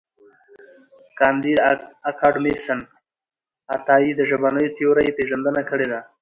کانديد اکاډميسن عطایي د ژبنیو تیورۍ پېژندنه کړې ده.